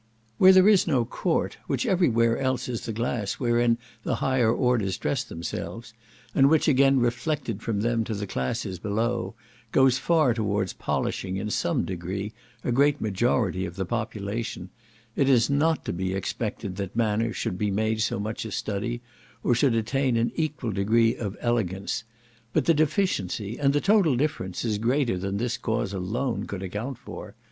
Where there is no court, which every where else is the glass wherein the higher orders dress themselves, and which again reflected from them to the classes below, goes far towards polishing, in some degree, a great majority of the population, it is not to be expected that manner should be made so much a study, or should attain an equal degree of elegance; but the deficiency, and the total difference, is greater than this cause alone could account for.